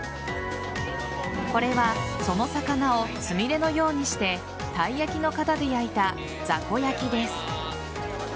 これはその魚をつみれのようにしてたい焼きの型で焼いたザコヤキです。